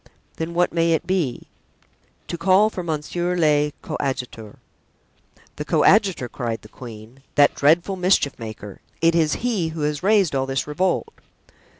"Then what may it be?" "To call for monsieur le coadjuteur." "The coadjutor!" cried the queen, "that dreadful mischief maker! It is he who has raised all this revolt."